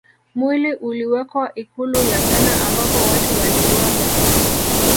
Mwili uliwekwa ikulu ya Ghana ambapo Watu waliuaga